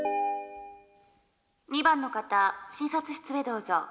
「２番の方診察室へどうぞ」。